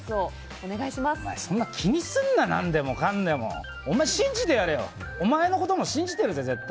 お前、そんな気にすんな、何でもかんでも。信じてやれよ。お前のことも信じてるぜ、絶対。